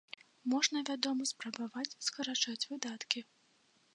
Можна, вядома, спрабаваць скарачаць выдаткі.